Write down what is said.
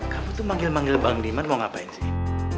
kamu tuh manggil manggil bang diman mau ngapain sih